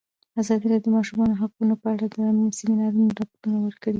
ازادي راډیو د د ماشومانو حقونه په اړه د سیمینارونو راپورونه ورکړي.